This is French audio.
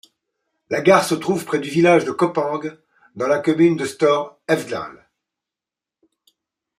La gare se trouve près du village de Koppang dans la commune de Stor-Elvdal.